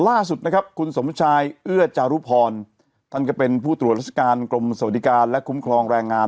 ล่าสุดนะครับคุณสมชายเอื้อจารุพรท่านก็เป็นผู้ตรวจราชการกรมสวัสดิการและคุ้มครองแรงงาน